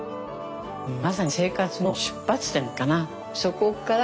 まさに生活の出発点かな。